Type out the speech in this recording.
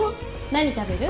何食べる？